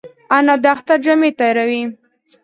انا د اختر جامې تیاروي